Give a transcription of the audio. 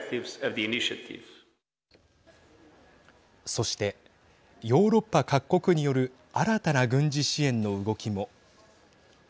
そしてヨーロッパ各国による新たな軍事支援の動きも。